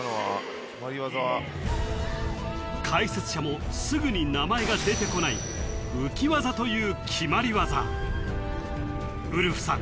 解説者もすぐに名前が出てこないという決まり技ウルフさん